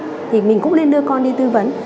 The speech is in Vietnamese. thì mình cũng nên đưa con đi tư vấn